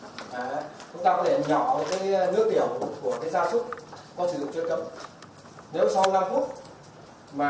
chúng ta có thể nhỏ nước tiểu của gia súc có sử dụng chất cấm